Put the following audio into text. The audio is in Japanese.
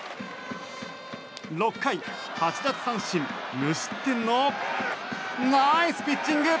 ６回８奪三振無失点のナイスピッチング！